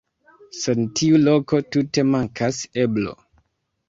Sen tiu loko tute mankas eblo.